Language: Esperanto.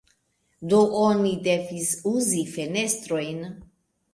Do oni devis uzi fenestrojn.